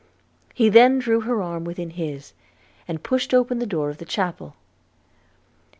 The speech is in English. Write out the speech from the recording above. He then drew her arm within his, and pushed open the door of the chapel.